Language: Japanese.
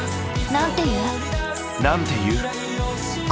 なんて言う？